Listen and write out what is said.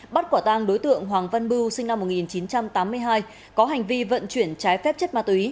bắt quả tang đối tượng hoàng văn bưu sinh năm một nghìn chín trăm tám mươi hai có hành vi vận chuyển trái phép chất ma túy